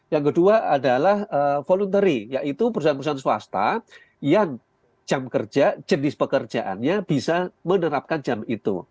yang kedua adalah voluntary yaitu perusahaan perusahaan swasta yang jam kerja jenis pekerjaannya bisa menerapkan jam itu